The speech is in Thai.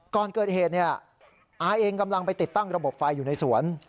ก่อนเกิดเหตุเนี่ยอาเองกำลังไปติดตั้งระบบไฟอยู่ในสวน